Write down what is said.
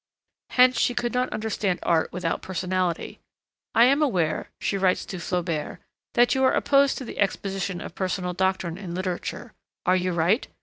Hence she could not understand art without personality. 'I am aware,' she writes to Flaubert, 'that you are opposed to the exposition of personal doctrine in literature. Are you right?